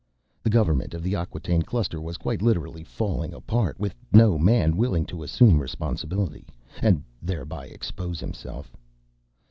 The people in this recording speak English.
The government of the Acquataine Cluster was quite literally falling apart, with no man willing to assume responsibility ... and thereby expose himself.